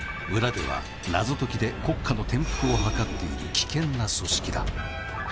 「裏では謎解きで国家の転覆をはかっている」「危険な組織だ」